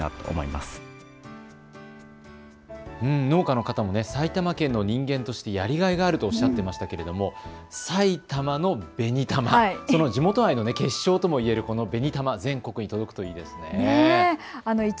農家の方も埼玉県の人間として、やりがいがあるとおっしゃっていましたけれども埼玉のべにたま、地元愛の結晶とも言えるべにたま、全国にも届くといいですね。